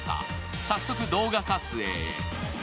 早速、動画撮影へ。